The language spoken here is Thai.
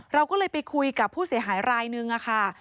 เราก็เลยไปคุยกับผู้เสียหายรายนึงค่ะ